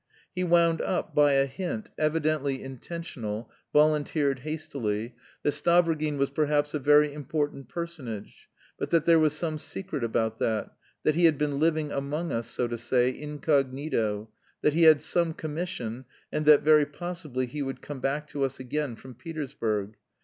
He wound up, by a hint, evidently intentional, volunteered hastily, that Stavrogin was perhaps a very important personage, but that there was some secret about that, that he had been living among us, so to say, incognito, that he had some commission, and that very possibly he would come back to us again from Petersburg.